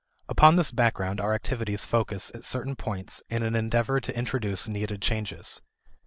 Upon this background our activities focus at certain points in an endeavor to introduce needed changes.